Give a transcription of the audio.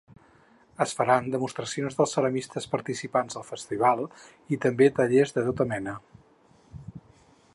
Es faran demostracions dels ceramistes participants al festival i també tallers de tota mena.